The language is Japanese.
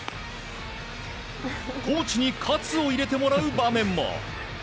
コーチに活を入れてもらう場面も。